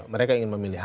mereka ingin memilih